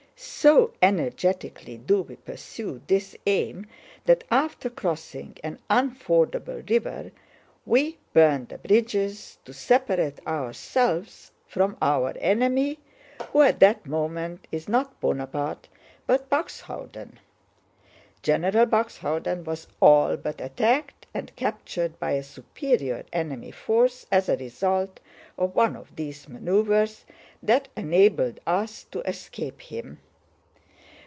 So energetically do we pursue this aim that after crossing an unfordable river we burn the bridges to separate ourselves from our enemy, who at the moment is not Bonaparte but Buxhöwden. General Buxhöwden was all but attacked and captured by a superior enemy force as a result of one of these maneuvers that enabled us to escape him.